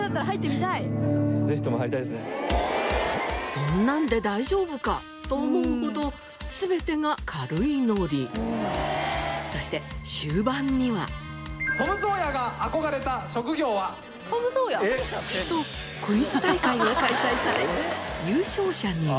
そんなんで大丈夫か？と思うほどそしてとクイズ大会が開催され優勝者には。